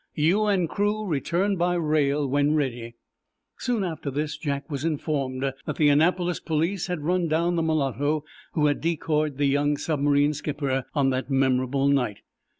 You and crew return by rail when ready." Soon after this Jack was informed that the Annapolis police had run down the mulatto who had decoyed the young submarine skipper on that memorable night.